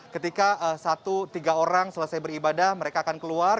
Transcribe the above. ketika satu tiga orang selesai beribadah mereka akan keluar